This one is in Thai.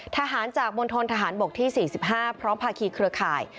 ทหารจากมณฑนทหารบกที่๔๕พร้อมภาคีเครือข่าย